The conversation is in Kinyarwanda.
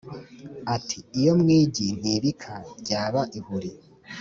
Ati:iyo mu igi ntibika ryaba ihuri